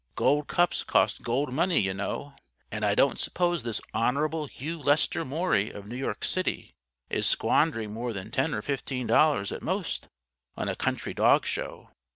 Gold cups cost gold money, you know. And I don't suppose this 'Hon. Hugh Lester Maury of New York City' is squandering more than ten or fifteen dollars at most on a country dog show.